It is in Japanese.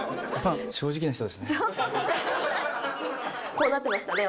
正直な人ですね。